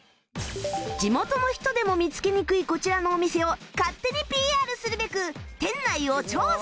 地元の人でも見つけにくいこちらのお店を勝手に ＰＲ するべく店内を調査！